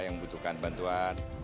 yang membutuhkan bantuan